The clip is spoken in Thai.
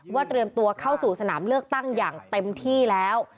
เตรียมตัวเข้าสู่สนามเลือกตั้งอย่างเต็มที่แล้ว